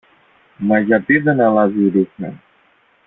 Μα γιατί δεν αλλάζει ρούχα;